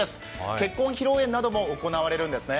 結婚披露宴なども行われるんですね。